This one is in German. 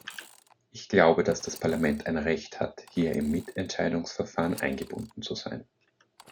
Ich glaube, dass das Parlament ein Recht hat, hier im Mitentscheidungsverfahren eingebunden zu sein.